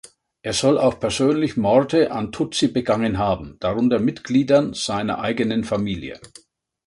Er soll auch persönlich Morde an Tutsi begangen haben, darunter Mitgliedern seiner eigenen Familie.